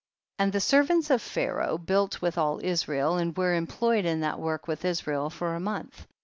22. And the servants of Pharaoh built with all Israel, and were en> ployed in that work with Israel for a month.